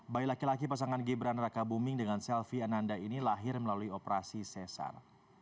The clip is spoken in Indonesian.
bayi laki laki pasangan gibran raka buming dengan selvi ananda ini lahir melalui operasi sesar